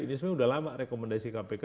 ini sebenarnya sudah lama rekomendasi kpk